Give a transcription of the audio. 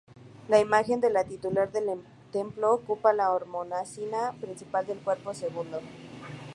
La imagen de la titular del templo ocupa la hornacina principal del cuerpo segundo.